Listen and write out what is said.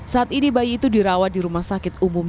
saat ini bayi itu dirawat di rumah sakit umum